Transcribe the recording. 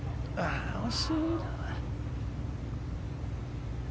惜しいな。